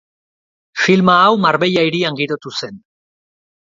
Filma hau Marbella hirian girotu zen.